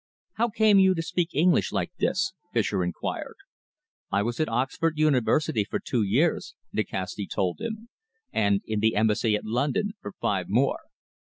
"How came you to speak English like this?" Fischer inquired. "I was at Oxford University for two years," Nikasti told him, "and in the Embassy at London for five more."